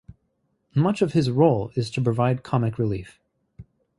Much of his role is to provide comic relief.